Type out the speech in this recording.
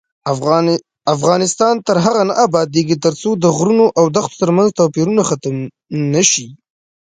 افغانستان تر هغو نه ابادیږي، ترڅو د غرونو او دښتو ترمنځ توپیرونه ختم نشي.